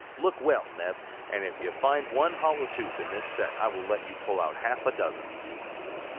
"Look well, Neb, and if you find one hollow tooth in this set, I will let you pull out half a dozen!"